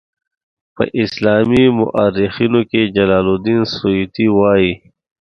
په اسلامي مورخینو کې جلال الدین سیوطي وایي.